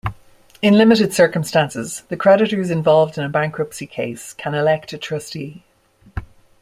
In limited circumstances, the creditors involved in a bankruptcy case can elect a trustee.